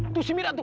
itu cimira tuh